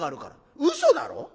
「嘘だろ？